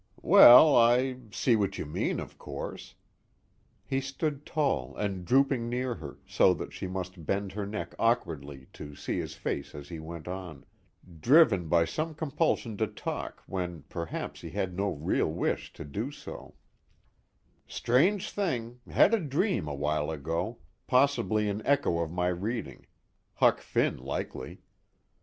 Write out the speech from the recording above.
"Well, I see what you mean of course." He stood tall and drooping near her, so that she must bend her neck awkwardly to see his face as he went on, driven by some compulsion to talk when perhaps he had no real wish to do so: "Strange thing had a dream a while ago, possibly an echo of my reading Huck Finn likely.